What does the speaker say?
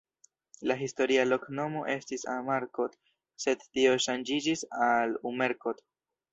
La historia loknomo estis Amarkot, sed tio ŝanĝiĝis al Umerkot.